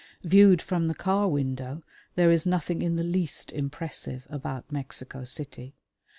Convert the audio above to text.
Viewed from the car window there is nothing in the least impressive about Mexico City.